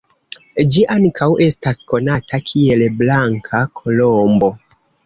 Ĝi ankaŭ estas konata kiel "Blanka Kolombo".